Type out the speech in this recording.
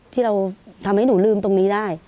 ที่เราทำให้หนูลืมตรงนี้ได้